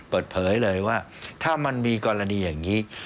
เปิดเผยเลยว่าถ้ามันมีกรณีอย่างนี้